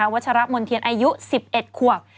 วัชรัพย์มลเทียนอายุ๑๑ขวบ